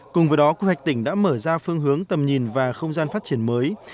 cùng với đó quy hoạch tỉnh đã mở ra phương hướng tầm nhìn và không gian phát triển mới